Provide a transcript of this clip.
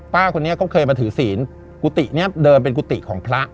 ป้าคนนี้ก็เคยมาถือศีลกุฏิเนี่ยเดินเป็นกุฏิของพระ